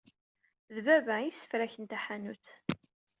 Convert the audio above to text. D baba ay yessefraken taḥanut.